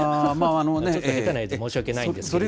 ちょっと下手な絵で申し訳ないんですけれども。